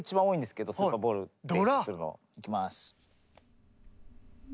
いきます。